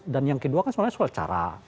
dan yang kedua kan soal cara